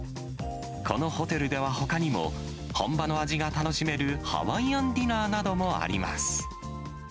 このホテルではほかにも、本場の味が楽しめるハワイアンディナーなどもあります。